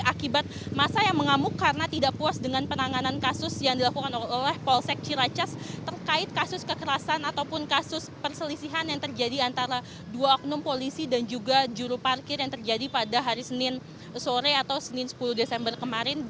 akibat masa yang mengamuk karena tidak puas dengan penanganan kasus yang dilakukan oleh polsek ciracas terkait kasus kekerasan ataupun kasus perselisihan yang terjadi antara dua oknum polisi dan juga juru parkir yang terjadi pada hari senin sore atau senin sepuluh desember kemarin